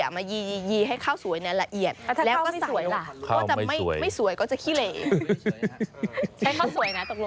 มายีให้ข้าวสวยในละเอียดแล้วก็ใส่ข้าวไม่สวยก็จะขี้เหล